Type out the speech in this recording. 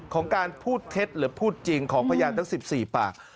ของการพูดเท็จหรือพูดจริงของพยานทั้ง๑๔ปาก